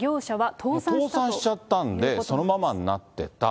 倒産しちゃったんで、そのままになってた。